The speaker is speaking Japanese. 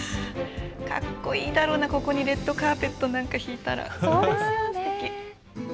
かっこいいだろうなここにレッドカーペットひいたら。